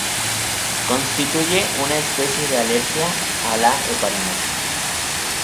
Constituye una especie de alergia a la heparina.